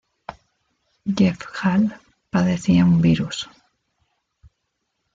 Jeff Hall padecía un virus.